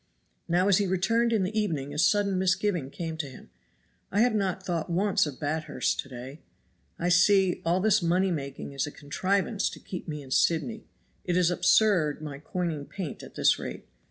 Now as he returned in the evening a sudden misgiving came to him. "I have not thought once of Bathurst to day. I see all this money making is a contrivance to keep me in Sydney. It is absurd my coining paint at this rate.